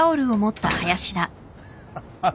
ハッハハハ！